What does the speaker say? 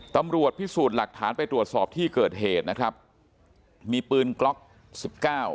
ตำรวจพิสูจน์หลักฐานไปตรวจสอบที่เกิดเหตุนะครับมีปืนกล็อกสิบเก้า